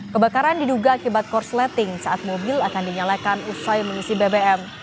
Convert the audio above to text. kebakaran diduga akibat korsleting saat mobil akan dinyalakan usai mengisi bbm